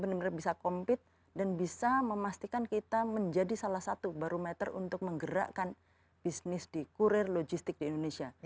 benar benar bisa compete dan bisa memastikan kita menjadi salah satu barometer untuk menggerakkan bisnis di kurir logistik di indonesia